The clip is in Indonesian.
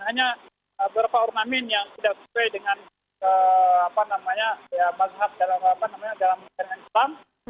hanya beberapa ornamen yang tidak sesuai dengan apa namanya ya mazhab dalam apa namanya dalam kemahiran islam